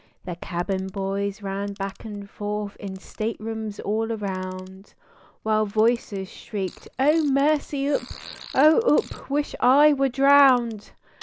The cabin boys ran back and forth in staterooms all around, While voices shrieked: "Oh, mercy oop! Oh oop! wish I were drowned."